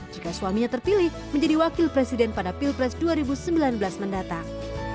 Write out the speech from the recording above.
jika suaminya terpilih menjadi wakil presiden pada pilpres dua ribu sembilan belas mendatang